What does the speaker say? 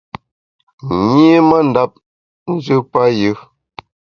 Nyi mandap njù payù.